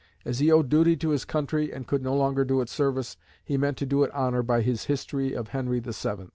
As he owed duty to his country, and could no longer do it service, he meant to do it honour by his history of Henry VII.